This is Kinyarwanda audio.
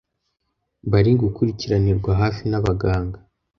bari gukurikiranirwa hafi n’abaganga.